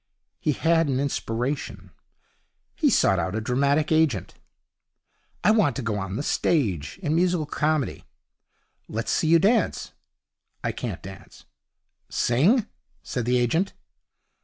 He had an inspiration. He sought out a dramatic agent. 'I want to go on the stage, in musical comedy.' 'Let's see you dance.' 'I can't dance.' 'Sing,' said the agent.